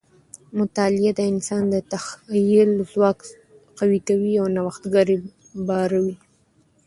مطالعه د انسان د تخیل ځواک قوي کوي او نوښتګر یې باروي.